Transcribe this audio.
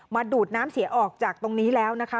มาดูดน้ำเสียออกจากตรงนี้แล้วนะคะ